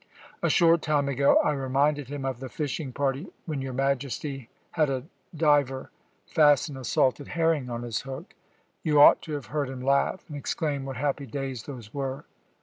A short time ago I reminded him of the fishing party when your Majesty had a diver fasten a salted herring on his hook. You ought to have heard him laugh, and exclaim what happy days those were.